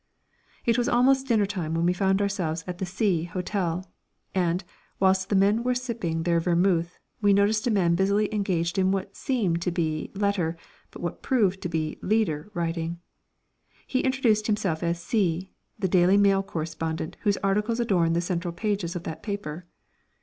It was almost dinner time when we found ourselves at the C Hotel, and, whilst the men were sipping their vermouth, we noticed a man busily engaged in what seemed to be letter but what proved to be leader writing. He introduced himself as C , the Daily Mail correspondent whose articles adorn the central pages of that paper.